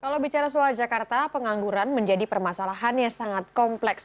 kalau bicara soal jakarta pengangguran menjadi permasalahan yang sangat kompleks